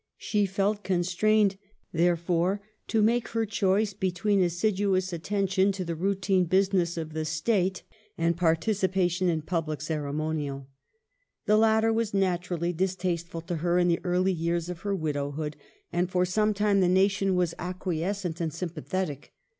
She felt con strained, therefore, to make her choice between f^ssiduous attention I Speeches, u. 239. 1878] THE MONARCHY 451 to the routine business of the State and participation in public cei emonial. The latter was naturally distasteful to her in the early years of her widowhood, and for some time the nation was acqui escent and sympathetic.